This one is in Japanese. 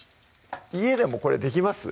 家でもこれできます？